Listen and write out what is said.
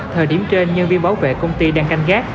thời điểm trên nhân viên bảo vệ công ty đang canh gác